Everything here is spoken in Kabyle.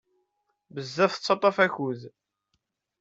Bezzaf yettaṭaf akud.